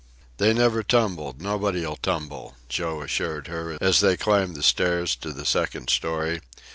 "They never tumbled; nobody'll tumble," Joe assured her, as they climbed the stairs to the second story.